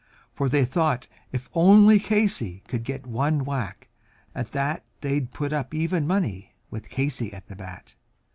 For they thought if only Casey could get a whack at that, They'd put up even money with Casey at the bat.